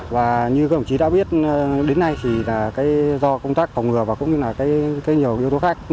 và như các ông chí đã biết đến nay thì là do công tác phòng ngừa và cũng như là nhiều yếu tố khác